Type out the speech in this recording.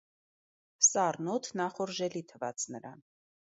Սառն օդն ախորժելի թվաց նրան: